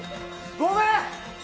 ごめん。